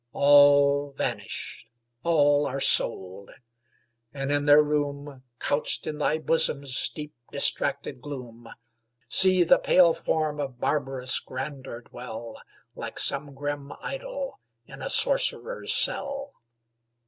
All vanished, all are sold and in their room, Couched in thy bosom's deep, distracted gloom, See the pale form of barbarous Grandeur dwell, Like some grim idol in a sorcerer's cell!